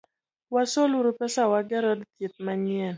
Wasol uru pesa wager od thieth manyien.